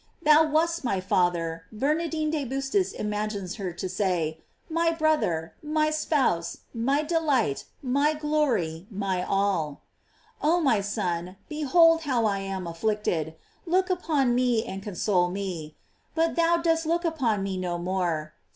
Thou wast my Father, Bernardino de Bustis im agines her to say, my brother, my spouse, my de light, my glory, my all.* Oh, my Son, behold how I am afflicted, look upon me and console me; but thou dost look upon me no more.